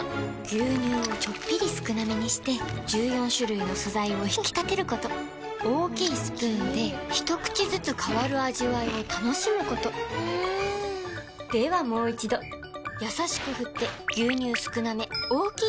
牛乳をちょっぴり少なめにして１４種類の素材を引き立てること大きいスプーンで一口ずつ変わる味わいを楽しむことではもう一度これだ！